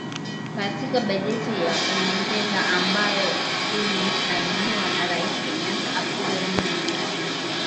Katika bajeti ya nyongeza ambayo ilisainiwa na Raisi Kenyatta Aprili nne